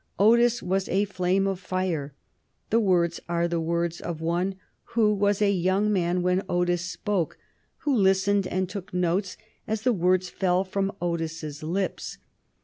"Otis was a flame of fire." The words are the words of one who was a young man when Otis spoke, who listened and took notes as the words fell from Otis's lips.